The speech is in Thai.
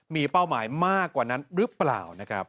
มีเป้าหมายมากกว่านั้นหรือเปล่านะครับ